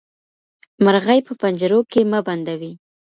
مرغۍ په پنجرو کې مه بندوئ.